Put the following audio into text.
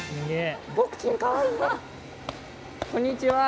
こんにちは！